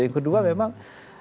yang kedua memang